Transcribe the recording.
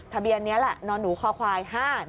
ทะเบียนนี้แหละนอนหนูคอควาย๕๑